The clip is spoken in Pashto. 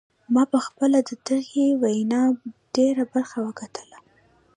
ما پخپله د دغې وینا ډیره برخه وکتله.